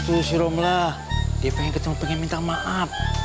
kalo si romlah dia pengen ketemu pengen minta maaf